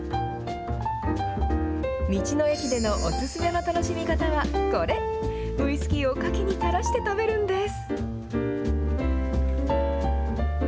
道の駅でのお勧めの楽しみ方はこれ、ウイスキーをカキにたらして食べるんです。